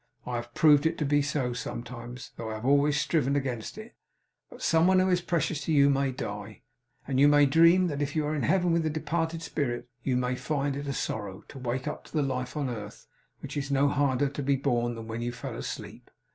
I have proved it to be so sometimes, though I have always striven against it. But somebody who is precious to you may die, and you may dream that you are in heaven with the departed spirit, and you may find it a sorrow to wake to the life on earth, which is no harder to be borne than when you fell asleep.